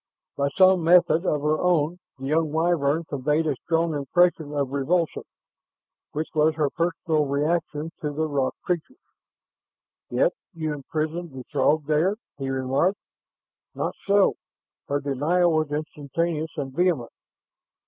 By some method of her own the young Wyvern conveyed a strong impression of revulsion, which was her personal reaction to the "rock creatures." "Yet you imprison the Throg there " he remarked. "Not so!" Her denial was instantaneous and vehement.